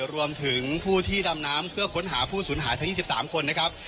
รวมถึงผู้ที่ดำน้ำเพื่อค้นหาผู้สูญหายทั้ง๒๓คนนะครับ